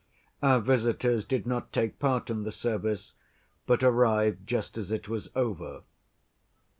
Our visitors did not take part in the service, but arrived just as it was over.